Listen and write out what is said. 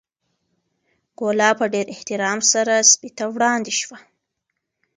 ګوله په ډېر احترام سره سپي ته وړاندې شوه.